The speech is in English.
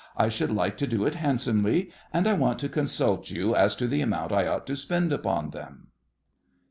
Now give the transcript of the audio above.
I should like to do it handsomely, and I want to consult you as to the amount I ought to spend upon them.